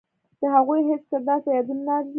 د هغوی هیڅ کردار په یادولو نه ارزي.